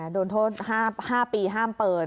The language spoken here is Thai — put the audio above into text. โดนโทษ๕ปีห้ามเปิด